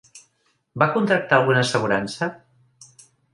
Va contractar alguna assegurança?